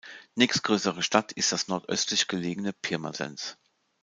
Nächstgrößere Stadt ist das nordöstlich gelegene Pirmasens.